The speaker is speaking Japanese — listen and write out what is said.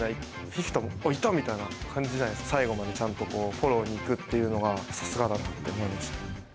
フィフィタも、あっ、いたみたいな感じじゃないですか、最後までちゃんとこう、フォローに行くっていうのが、さすがだなって思いました。